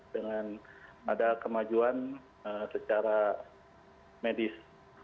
dengan ada kemajuan secara medis